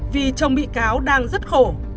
vì chồng bị cáo đang rất khổ